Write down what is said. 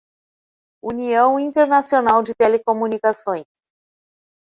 União Internacional de Telecomunicações